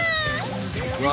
うわ